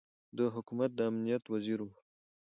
د حکومت د امنیت وزیر ؤ